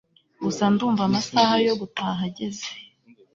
gusa ndumva amasaha yo gutaha ageze